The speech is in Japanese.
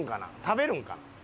食べるんかな？